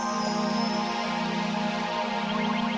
masih agak banyak tentang semua orang fadz